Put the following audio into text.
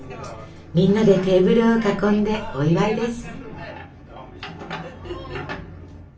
みんなでテーブルを囲んでお祝いです。